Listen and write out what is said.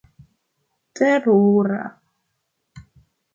terura